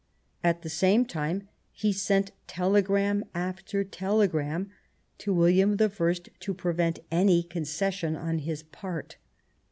At the same time he sent tele gram after telegram to William I to prevent any concession on his part.